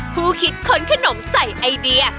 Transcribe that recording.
ผู้คิดขนขนมใส่ไอเดีย